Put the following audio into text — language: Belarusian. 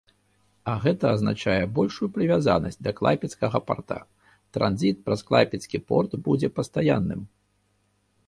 А гэта азначае большую прывязанасць да клайпедскага парта, транзіт праз клайпедскі порт будзе пастаянным.